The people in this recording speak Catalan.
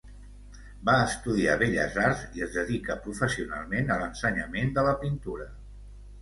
Va estudiar Belles Arts i es dedica professionalment a l'ensenyament de la pintura.